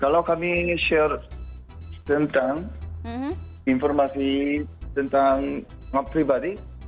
kalau kami share tentang informasi tentang pribadi kita siapin